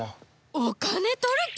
お金取る気？